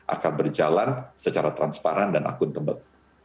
akan berjalan secara transparan dan akuntabel